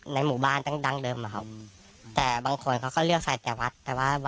ในหมู่บ้านตั้งเดิมเหรอครับ